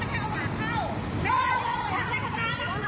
กลับมาเล่าให้ฟังครับ